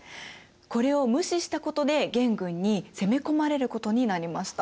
これを無視したことで元軍に攻め込まれることになりました。